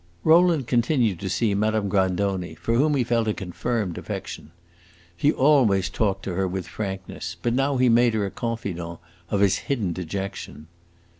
Rowland continued to see Madame Grandoni, for whom he felt a confirmed affection. He had always talked to her with frankness, but now he made her a confidant of all his hidden dejection.